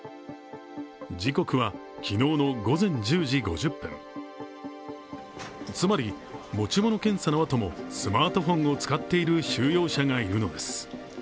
時刻は昨日の午前１０時５０分、つまり、持ち物検査のあともスマートフォンを使っている収容者がいるのです。